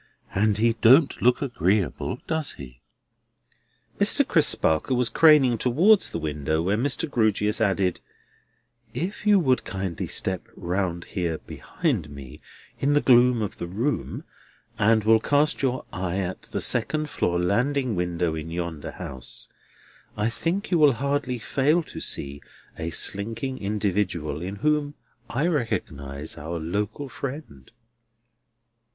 "And he don't look agreeable, does he?" Mr. Crisparkle was craning towards the window, when Mr. Grewgious added: "If you will kindly step round here behind me, in the gloom of the room, and will cast your eye at the second floor landing window in yonder house, I think you will hardly fail to see a slinking individual in whom I recognise our local friend."